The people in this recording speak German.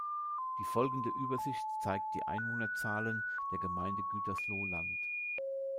Die folgende Übersicht zeigt die Einwohnerzahlen der Gemeinde Gütersloh-Land.